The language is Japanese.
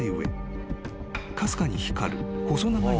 かすかに光る細長い物体が］